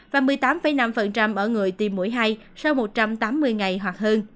và một mươi tám năm ở người tiêm mũi hai sau một trăm tám mươi ngày hoặc hơn